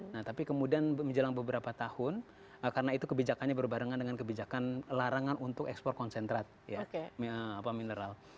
nah tapi kemudian menjelang beberapa tahun karena itu kebijakannya berbarengan dengan kebijakan larangan untuk ekspor konsentrat mineral